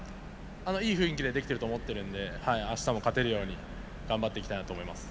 いい雰囲気でできていると思っているのであしたも勝てるように頑張っていきたいなと思います。